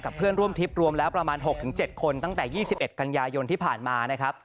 กับเพื่อนร่วมทิพย์รวมแล้ว๖๗ตั้งแต่๒๑กันยายนที่ผ่านมา